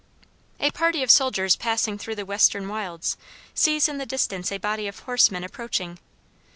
A party of soldiers passing through the western wilds, sees in the distance a body of horsemen approaching.